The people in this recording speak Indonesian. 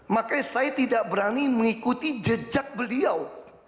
makanya saya tidak berani mengikuti jejak beliau